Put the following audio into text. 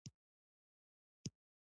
• مینه د روڼ احساس سمبول دی.